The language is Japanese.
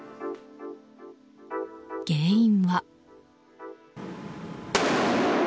原因は。